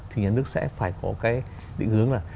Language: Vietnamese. thì nhà nước sẽ phải có cái định hướng là